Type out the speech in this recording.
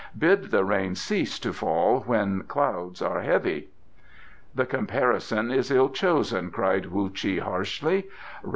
"Bid the rain cease to fall when the clouds are heavy." "The comparison is ill chosen," cried Whu Chi harshly.